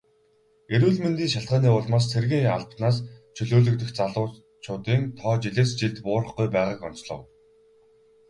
Эрүүл мэндийн шалтгааны улмаас цэргийн албанаас чөлөөлөгдөх залуучуудын тоо жилээс жилд буурахгүй байгааг онцлов.